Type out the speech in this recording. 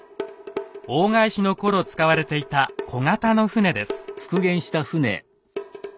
大返しの頃使われていた小型の船です。